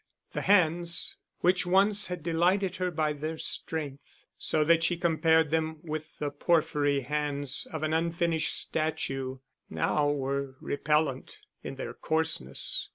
The hands which once had delighted her by their strength, so that she compared them with the porphyry hands of an unfinished statue, now were repellent in their coarseness.